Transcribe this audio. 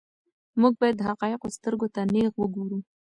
موږ باید د حقایقو سترګو ته نیغ وګورو.